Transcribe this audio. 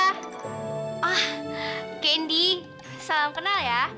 oh candy salam kenal ya